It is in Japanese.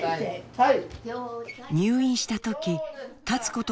はい。